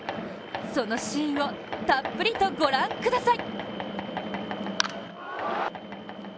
そのシーンをたっぷりとご覧ください。